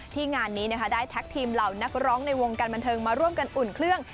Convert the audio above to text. งานนี้ได้แท็กทีมเหล่านักร้องในวงการบันเทิงมาร่วมกันอุ่นเครื่อง